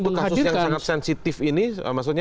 untuk kasus yang sangat sensitif ini maksudnya